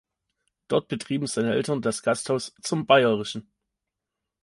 Dort betrieben seine Eltern das Gasthaus "Zum Bayerischen".